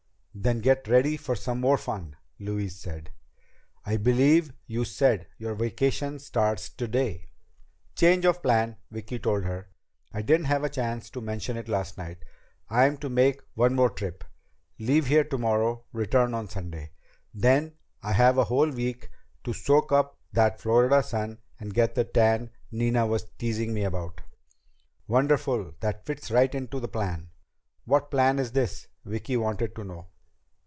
"Then get ready for some more fun," Louise said. "I believe you said your vacation starts today?" "Change of plan," Vicki told her. "I didn't have a chance to mention it last night. I'm to make one more trip. Leave here tomorrow, return on Sunday. Then I have a whole week to soak up that Florida sun and get the tan Nina was teasing me about." "Wonderful! That fits right into the plan!" "What plan is this?" Vicki wanted to know.